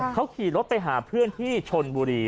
เขาขี่รถไปหาเพื่อนที่ชนบุรี